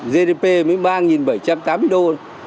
gdp mới ba bảy trăm tám mươi đô